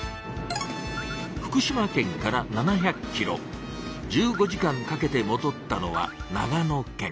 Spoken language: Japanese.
福島県から７００キロ１５時間かけてもどったのは長野県。